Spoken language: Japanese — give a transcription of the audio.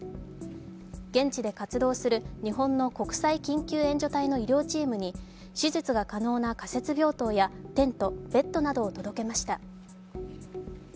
現地で活動する日本の国際緊急援助隊の医療チームに手術が可能な仮設病棟やテント、ベッドなどを届けました。